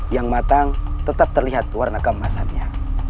yang matang tetap terlihat warna keemasannya